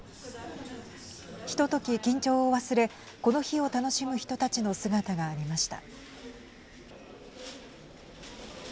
ひととき緊張を忘れこの日を楽しむ人たちの姿がありました。